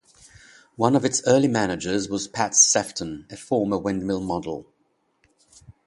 One of its early managers was Pat Sephton, a former Windmill model.